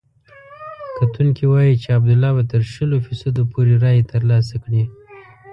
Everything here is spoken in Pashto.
کتونکي وايي چې عبدالله به تر شلو فیصدو پورې رایې ترلاسه کړي.